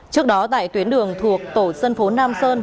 trước đó tại tuyến đường thuộc tổ dân phố nam sơn